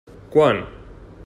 Quant?